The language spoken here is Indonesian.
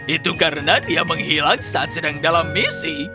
itu karena dia menghilak saat sedang dalam misi